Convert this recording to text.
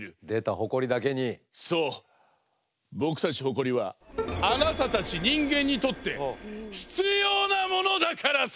僕たちホコリはあなたたち人間にとって必要なものだからさ！